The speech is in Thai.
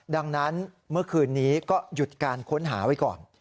ดังนั้นเมื่อคืนนี้ก็หยุดการค้นหาไว้ก่อน